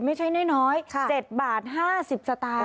ไม่ใช่น้อย๗บาท๕๐สตางค์